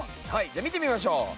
じゃあ見てみましょう。